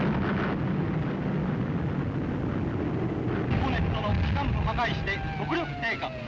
「ホーネットの機関部破壊して速力低下。